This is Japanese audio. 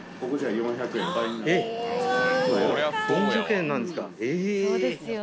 ４００円なんですかえぇ！